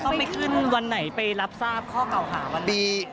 ไปขึ้นวันไหนไปรับทราบข้อเก่าหาวันดี